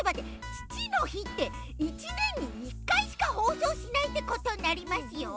ちちのひって１ねんに１かいしかほうそうしないってことになりますよ。